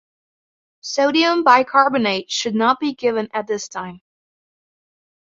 Sodium bicarbonate should not be given at this time.